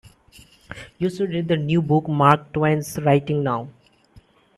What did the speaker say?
You should read the new book Mark Twain's writing now.